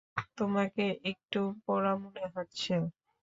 তোমাকে একটু পোড়া মনে হচ্ছে।